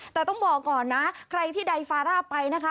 แต่ต้องบอกก่อนนะใครที่ใดฟาร่าไปนะคะ